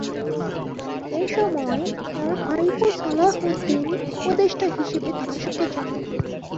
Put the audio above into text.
এসময় তার ভাইপো সালাহউদ্দিন উপদেষ্টা হিসেবে তার সাথে যান।